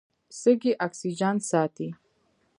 سږي اکسیجن ساتي.